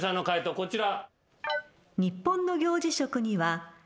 こちら。